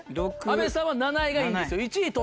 阿部さんは７位がいいんですよ。